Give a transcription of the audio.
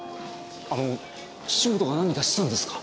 あの土本が何かしたんですか？